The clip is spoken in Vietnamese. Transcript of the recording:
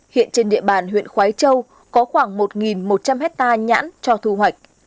hiện trên địa bàn huyện khói châu có khoảng một một trăm linh hectare nhãn cho thu hoạch